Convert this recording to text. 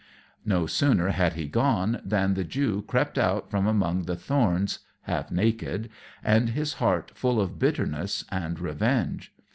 _] No sooner had he gone than the Jew crept out from among the thorns, half naked, and his heart full of bitterness and revenge.